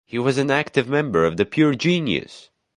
He was an active member of the Pure Genius!!